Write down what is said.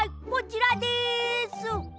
こちらです！